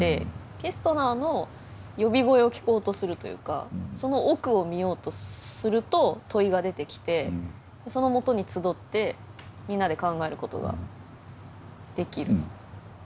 ケストナーの呼び声を聞こうとするというかその奥を見ようとすると問いが出てきてそのもとに集ってみんなで考えることができる。